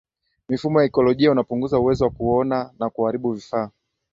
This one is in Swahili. mifumo ya ikolojia unapunguza uwezo wa kuona na kuharibu vifaa